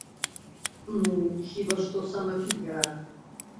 Ну, хіба што самапіяр.